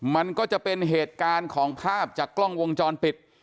มันก็จะเป็นเหตุการณ์ของภาพจากกล้องวงจรปิด